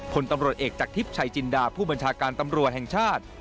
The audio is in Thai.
ผลตำรวจเอกจากทิพย์ชัยจินดาผู้บัญชาการตำรวจแห่งชาติ